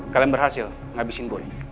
kalian berhasil ngabisin boleh